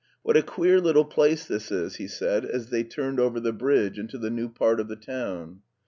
What a queer little place this is," he said as they turned over the bridge into the new part of the town.